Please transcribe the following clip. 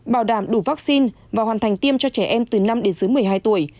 bảo đảm đủ vaccine và hoàn thành tiêm cho trẻ em từ năm đến dưới một mươi hai tuổi